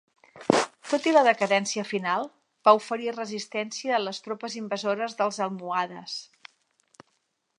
Tot i la decadència final, va oferir resistència a les tropes invasores dels almohades.